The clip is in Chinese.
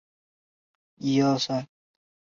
宝岛套叶兰为兰科套叶兰属下的一个种。